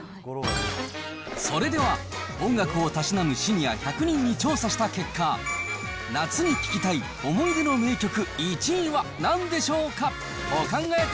それでは音楽を楽しむシニア１００人に調査した結果、夏に聴きたい思い出の名曲１位はなんでしょうか。